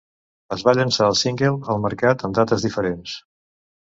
Es va llançar el single als mercats en dates diferents.